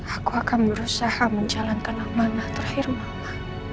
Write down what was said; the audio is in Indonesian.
aku akan berusaha menjalankan amalah terakhir mama